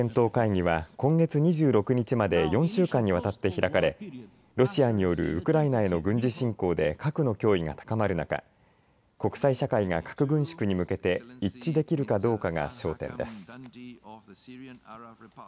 ＮＰＴの再検討会議は今月２６日まで４週間にわたって開かれロシアによるウクライナへの軍事進攻で核の脅威が高まる中国際社会が核軍縮に向けて一致できるかどうかが焦点です。